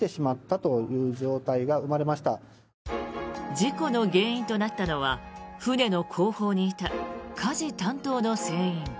事故の原因となったのは船の後方にいたかじ担当の船員。